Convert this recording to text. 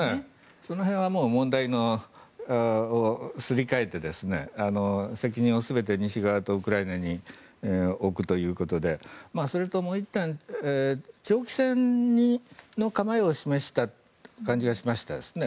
その辺は問題をすり替えて責任を全て西側とウクライナに置くということでそれともう１点、長期戦の構えを示した感じがしましたね。